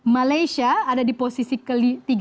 malaysia ada di posisi ke tiga puluh